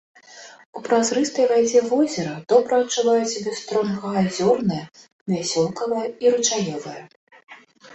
У празрыстай вадзе возера добра адчуваюць сябе стронга азёрная, вясёлкавая і ручаёвая.